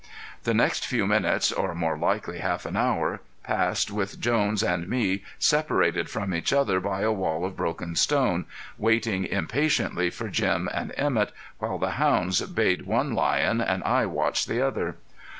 The next few minutes, or more likely half an hour, passed with Jones and me separated from each other by a wall of broken stone, waiting impatiently for Jim and Emett, while the hounds bayed one lion and I watched the other.